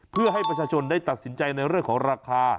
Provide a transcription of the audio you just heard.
เพื่อให้ประชาชนได้ตัดสินใจในเรื่องของราคา